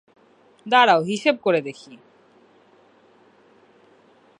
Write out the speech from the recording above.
দাঁড়াও হিসাব করে দেখি।